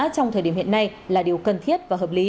trong thời điểm hiện nay là điều cần thiết